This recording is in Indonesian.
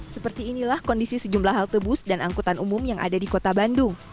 seperti inilah kondisi sejumlah halte bus dan angkutan umum yang ada di kota bandung